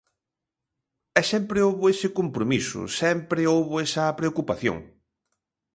E sempre houbo ese compromiso, sempre houbo esa preocupación.